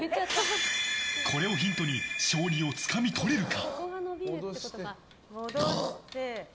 これをヒントに勝利をつかみ取れるか？